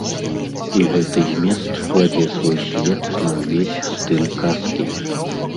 І гэты змест кладзе свой след на ўвесь стыль казкі.